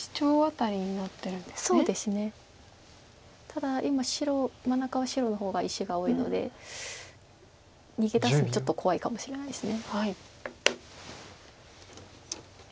ただ今白真ん中は白の方が石が多いので逃げ出すのちょっと怖いかもしれないです。